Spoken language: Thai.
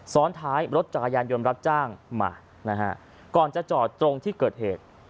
ซ้อนท้ายรถจักรยานยนต์รับจ้างมานะฮะก่อนจะจอดตรงที่เกิดเหตุ